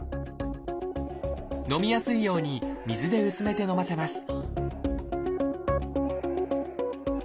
飲みやすいように水で薄めて飲ませます